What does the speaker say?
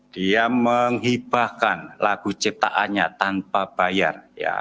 dia menghibahkan lagu ciptaannya tanpa bayar